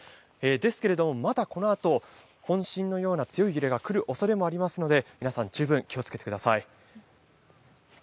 ですけれども、まだこのあと本震のような強い揺れが来るおそれがありますので、皆さん、十分気をつけてください。